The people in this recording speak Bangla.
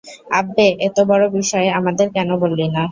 আব্বে, এতো বড় বিষয় আমাদের কেন বললি না?